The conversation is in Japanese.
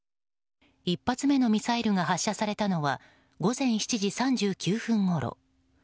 １発目のミサイルが発射されたのは午前７時３９分ごろ。